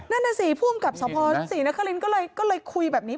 นั่นสิผู้อำกับสมภาษณ์สีนครินทร์ก็เลยคุยแบบนี้